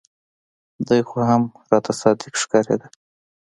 دى خو هم راته صادق ښکارېده.